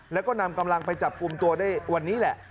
แล้วก็นำกำลังไปจับกลุ่มตัวได้วันนี้แหละ